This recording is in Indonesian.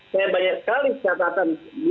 saya banyak sekali catatan